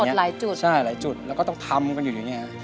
หลายจุดใช่หลายจุดแล้วก็ต้องทำกันอยู่อย่างเงี้ย